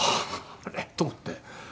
あれ？と思って。